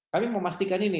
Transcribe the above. kami memastikan ini